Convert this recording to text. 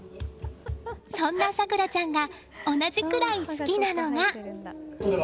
そんな咲良ちゃんが同じくらい好きなのが。